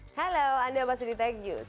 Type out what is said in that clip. halo anda masih di tech news